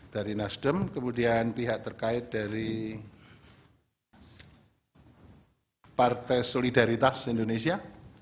dari nasdem kemudian pihak terkait dari partai solidaritas indonesia